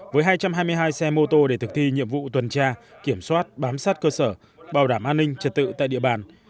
với hai trăm hai mươi hai xe mô tô để thực thi nhiệm vụ tuần tra kiểm soát bám sát cơ sở bảo đảm an ninh trật tự tại địa bàn